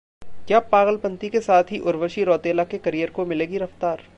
क्या पागलपंती के साथ ही उर्वशी रौतेला के करियर को मिलेगी रफ्तार?